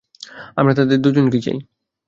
আমরা তাদের দুজনকেই চাই।